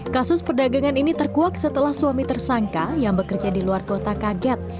kasus perdagangan ini terkuak setelah suami tersangka yang bekerja di luar kota kaget